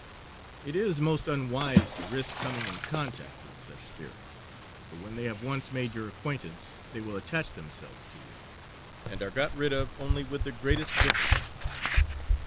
It is most unwise to risk coming in contact with such spirits, for when they have once made your acquaintance they will attach themselves to you, and are got rid of only with the greatest difficulty.